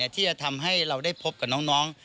ที่จะทำให้เราได้พบกับน้อง